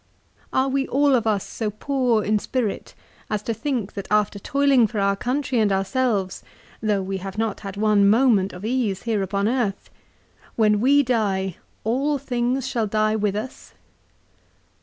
l " Are we all of us so poor in spirit as to think that after toiling for our country and ourselves, though we have not had one moment of ease here upon earth, when we die all things shall die with us